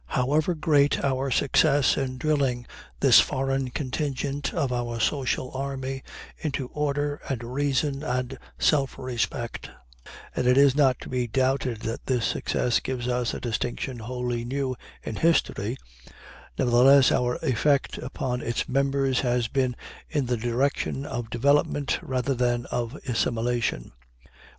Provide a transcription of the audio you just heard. However great our success in drilling this foreign contingent of our social army into order and reason and self respect and it is not to be doubted that this success gives us a distinction wholly new in history nevertheless our effect upon its members has been in the direction of development rather than of assimilation.